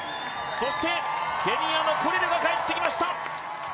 そして、ケニアのコリルが帰ってきました！